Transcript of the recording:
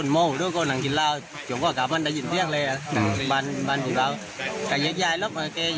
ไปไปไปรับตังค์อยู่กันไม่ใช่นึกว่าคุณตายแล้ว